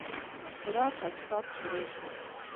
خوراک او چښاک شروع شو.